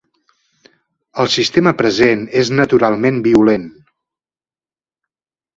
El sistema present és naturalment violent.